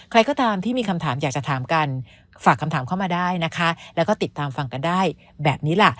ใครก็ตามที่มีคำถามอยากจะถามกันฝากคำถามเข้ามาได้นะคะแล้วก็ติดตามฟังกันได้แบบนี้ล่ะ